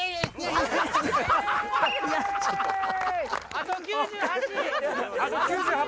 あと９８！